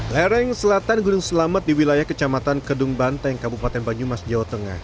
lereng selatan gunung selamat di wilayah kecamatan kedung banteng kabupaten banyumas jawa tengah